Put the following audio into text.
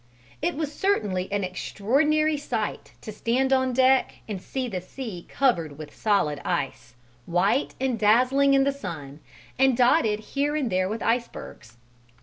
It was certainly an extraordinary sight to stand on deck and see the sea covered with solid ice, white and dazzling in the sun and dotted here and there with icebergs.